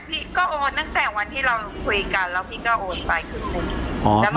พี่ก็โอนตั้งแต่วันที่เราคุยกันแล้วพี่ก็โอนไปครึ่งหนึ่ง